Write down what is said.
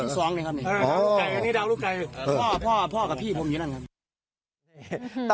สองนี่ครับนี่เออดาวลูกไก่อันนี้ดาวลูกไก่พ่อพ่อพ่อกับพี่ผมอยู่นั่นครับ